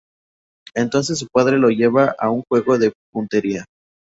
Entonces su padre lo lleva a un juego de puntería.